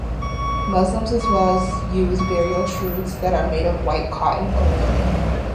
Muslims as well use burial shrouds that are made of white cotton or linen.